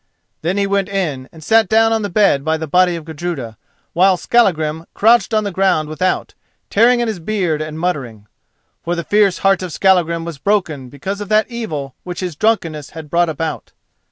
Then he went in and sat down on the bed by the body of Gudruda, while Skallagrim crouched on the ground without, tearing at his beard and muttering. For the fierce heart of Skallagrim was broken because of that evil which his drunkenness had brought about.